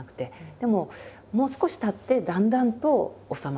でももう少したってだんだんと収まってきた感じ。